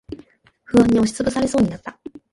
不安に押しつぶされそうになった。